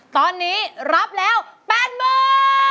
ตอนนี้รับแล้ว๘มือ